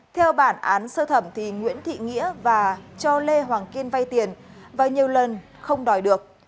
theo bản án sơ thẩm nguyễn thị nghĩa và cho lê hoàng kiên vay tiền và nhiều lần không đòi được